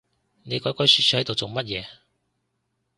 你鬼鬼鼠鼠係度做乜嘢